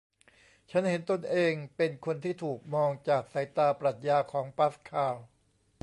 ฉันเห็นตนเองเป็นคนที่ถูกมองจากสายตาปรัชญาของปาสคาล